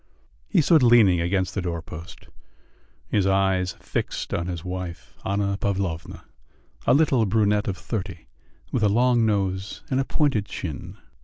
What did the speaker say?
He stood leaning against the doorpost, his eyes fixed on his wife, Anna Pavlovna, a little brunette of thirty, with a long nose and a pointed chin.